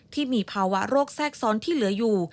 ที่มีภาวะโรคแทรกซ้อนที่เหลืออยู่